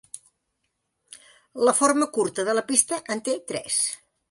La forma curta de la pista en té tres.